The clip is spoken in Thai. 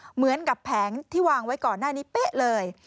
เหมือนกับแผงที่วางไว้ก่อนหน้านี้เป๊ะเลย